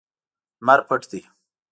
لمر پټ دی